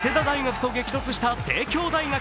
早稲田大学と激突した帝京大学。